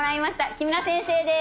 木村先生です。